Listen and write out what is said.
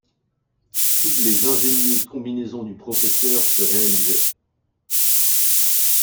Toutes les ingénieuses combinaisons du professeur se réalisaient.